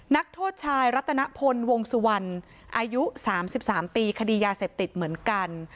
นักโทษชายรัตนพลวงสุวรรณอายุ๓๓ปีคดียาเสพติดเหมือนกัน